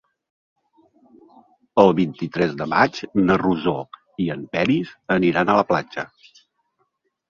El vint-i-tres de maig na Rosó i en Peris aniran a la platja.